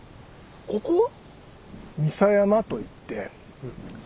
ここは？